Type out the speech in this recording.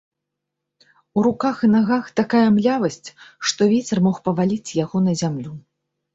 У руках і нагах такая млявасць, што вецер мог паваліць яго на зямлю.